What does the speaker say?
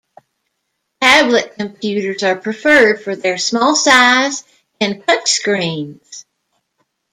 Tablet computers are preferred for their small size and touchscreens.